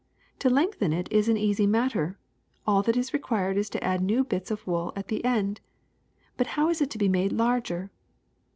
To lengthen it is an easy matter: all that is required is to add new bits of wool at the end. But how is it to be made larger?"